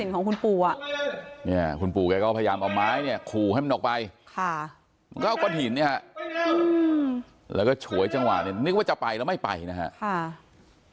ก็กว่าถิ่นค่ะแล้วก็โฉยจังหวะนึกว่าจะไปแล้วไม่ไปนะครับ